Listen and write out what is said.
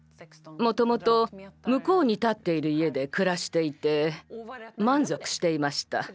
もともと向こうに建っている家で暮らしていて満足していました。